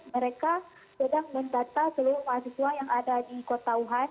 mereka sedang mendata seluruh mahasiswa yang ada di kota wuhan